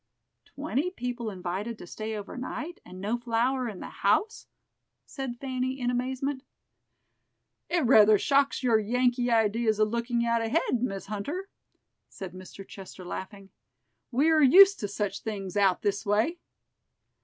"Twenty people invited to stay over night, and no flour in the house?" said Fanny, in amazement. "It rather shocks your Yankee ideas of looking out ahead, Miss Hunter," said Mr. Chester, laughing. "We are used to such things out this way."